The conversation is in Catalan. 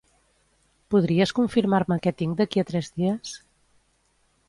Podries confirmar-me què tinc d'aquí a tres dies?